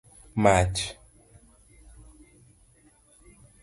mach